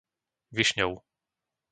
Višňov